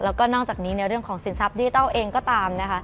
แล้วก็นอกจากนี้ในเรื่องของสินทรัพย์ดิจิทัลเองก็ตามนะคะ